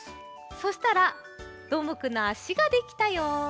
そしたらどーもくんのあしができたよ。